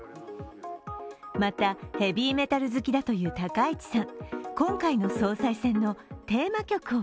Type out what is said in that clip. また、ヘヴィメタル好きだという高市さん。